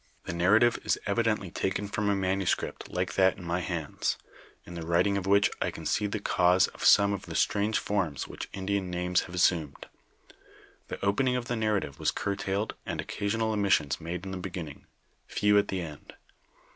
The narrative is evidently taken from a manuscript like that in my hands, in the writing of which I can see the cause of some of the strange forms which Indian names have assumed. The opening of the narrative was curtailed, and occasional omissions made in the beginning, few at the end.